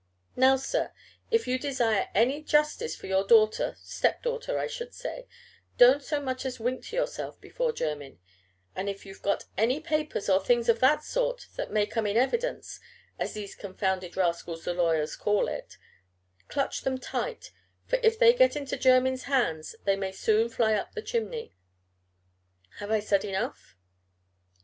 Now, sir, if you desire any justice for your daughter step daughter, I should say don't so much as wink to yourself before Jermyn; and if you've got any papers or things of that sort that may come in evidence, as these confounded rascals the lawyers call it, clutch them tight, for if they get into Jermyn's hands they may soon fly up the chimney. Have I said enough?"